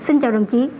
xin chào đồng chí